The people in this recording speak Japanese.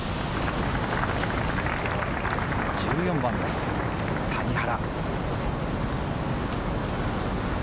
１４番です、谷原。